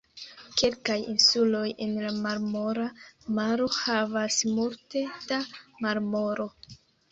Kelkaj insuloj en la Marmora Maro havas multe da marmoro.